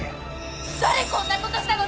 「誰こんなことしたの！？